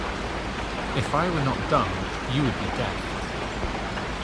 If I were not dumb, you would be deaf.